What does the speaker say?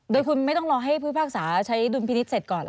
โดยคุณไม่ต้องรอให้ผู้พิพากษาใช้ดุลพินิษฐ์เสร็จก่อนเหรอ